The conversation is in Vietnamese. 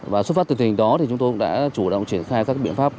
và xuất phát từ tình hình đó thì chúng tôi đã chủ động triển khai các biện pháp